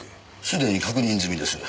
既に確認済みです。